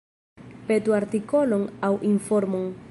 Petu artikolon aŭ informon.